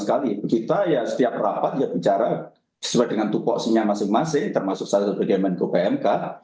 kita setiap rapat bicara sesuai dengan tupuaksinya masing masing termasuk saldo pegawai dan gopemka